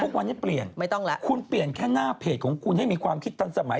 ทุกวันจะเปลี่ยนคุณเปลี่ยนแค่หน้าเพจของคุณให้มีความคิดตอนสมัย